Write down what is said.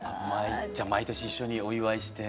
じゃ毎年一緒にお祝いして。